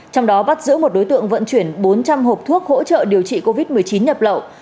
trong đó bắt giữ một đối tượng vận chuyển bốn trăm linh hộp thuốc hỗ trợ điều trị covid một mươi chín nhập lậu